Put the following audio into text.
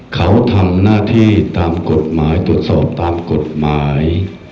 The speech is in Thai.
เขาทำหน้าที่ตามกฎหมายตรวจสอบตามกฎหมาย